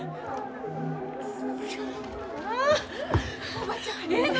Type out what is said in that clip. おばちゃんええの？